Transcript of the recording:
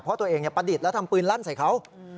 เพราะตัวเองประดิษฐ์แล้วทำปืนลั่นใส่เขา